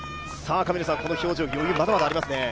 この表情、余裕まだまだありますね